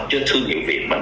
cho thương hiệu việt mình